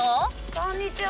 こんにちは！